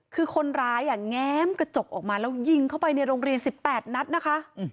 คือคนร้ายแง้มกระจกออกมาแล้วยิงเข้าไปในโรงเรียน๑๘นัดนะคะ